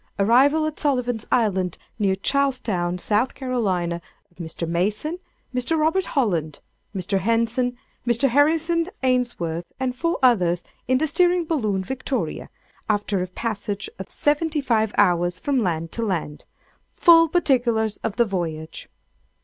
—Arrival at Sullivan's Island, near Charlestown, S.C., of Mr. Mason, Mr. Robert Holland, Mr. Henson, Mr. Harrison Ainsworth, and four others, in the Steering Balloon, "Victoria," after a passage of Seventy five Hours from Land to Land! Full Particulars of the Voyage!